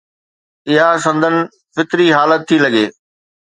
اها سندن فطري حالت ٿي لڳي.